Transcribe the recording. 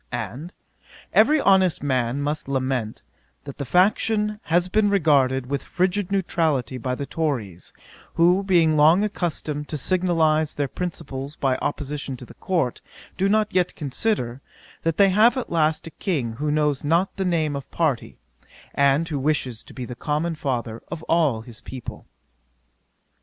And, 'Every honest man must lament, that the faction has been regarded with frigid neutrality by the Tories, who being long accustomed to signalise their principles by opposition to the Court, do not yet consider, that they have at last a King who knows not the name of party, and who wishes to be the common father of all his people.'